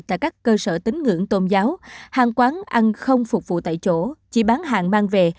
tại các cơ sở tính ngưỡng tôn giáo hàng quán ăn không phục vụ tại chỗ chỉ bán hàng mang về